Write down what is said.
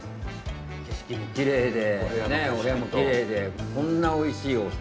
景色もきれいでお部屋もきれいでこんなおいしいねお料理。